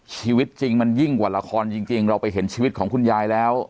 ชีวิตจริงมันยิ่งกว่าละครจริงเราไปเห็นชีวิตของคุณยายแล้ว